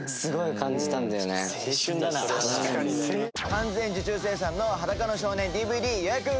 完全受注生産の『裸の少年』ＤＶＤ予約受け付け中です！